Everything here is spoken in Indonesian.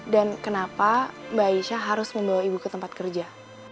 dan kenapa mbak aisyah harus membawa ibu ke tempat kerja